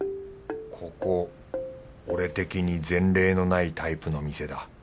ここ俺的に前例のないタイプの店だ。